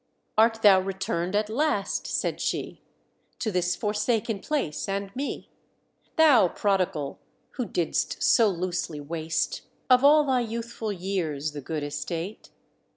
"Art thou returned at last," said she, "To this forsaken place and me, Thou prodigal who didst so loosely waste, Of all thy youthful years, the good estate?